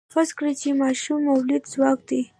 فرض کړئ چې ماشوم مؤلده ځواک دی.